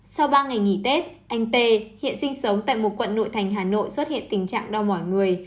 sau ba ngày nghỉ tết anh tê hiện sinh sống tại một quận nội thành hà nội xuất hiện tình trạng đau mỏi người